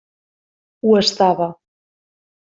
Ho estava.